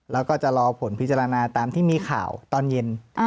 แล้วก็จะรอผลพิจารณาตามที่มีข่าวตอนเย็น